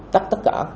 tắt tất cả